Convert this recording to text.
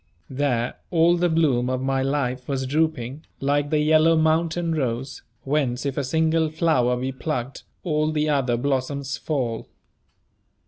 There all the bloom of my life was drooping, like the yellow mountain rose, whence if a single flower be plucked, all the other blossoms fall.